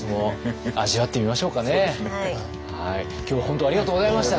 今日は本当ありがとうございました。